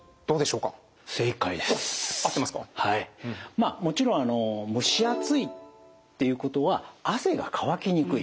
まあもちろん蒸し暑いっていうことは汗が乾きにくい。